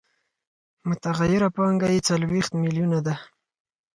متغیره پانګه یې څلوېښت میلیونه ده